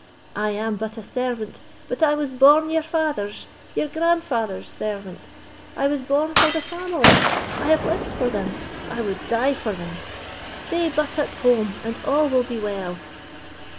I am but a servant; but I was born your father's—your grandfather's servant. I was born for the family—I have lived for them—I would die for them! Stay but at home, and all will be well!"